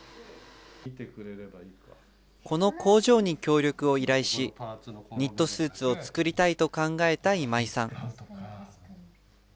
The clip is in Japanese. この工場に協力を依頼し、ニットスーツを作りたいと考えた今井さん。